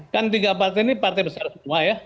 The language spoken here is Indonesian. kan tiga partai ini partai besar semua ya